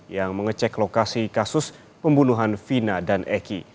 yang mengecek lokasi kasus pembunuhan vina dan eki